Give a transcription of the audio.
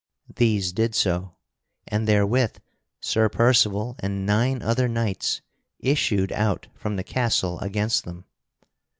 These did so, and therewith Sir Percival and nine other knights issued out from the castle against them.